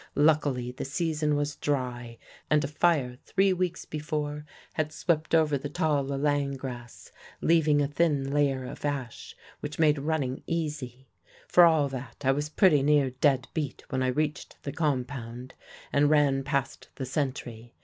Luckily the season was dry, and a fire, three weeks before, had swept over the tall lalang grass, leaving a thin layer of ash, which made running easy. For all that, I was pretty near dead beat when I reached the compound and ran past the sentry.